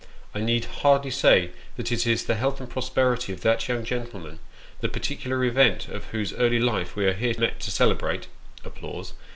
I need hardly say that it is the health and prosperity of that young gentleman, the particular event of whoso early life we are here met to celebrate.